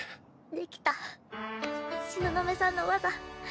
できた東雲さんの技。